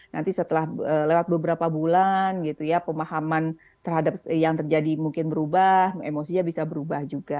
nanti setelah lewat beberapa bulan gitu ya pemahaman terhadap yang terjadi mungkin berubah emosinya bisa berubah juga